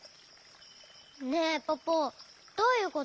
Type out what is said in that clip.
ねえポポどういうこと？